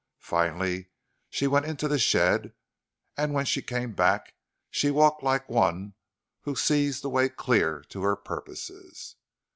Finally, she went into the shed, and when she came back she walked like one who sees the way clear to her purposes.